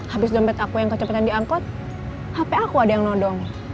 habis dompet aku yang kecepatan di angkot hp aku ada yang nodong